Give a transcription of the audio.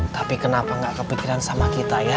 tapi kenapa gak kepikiran sama kita ya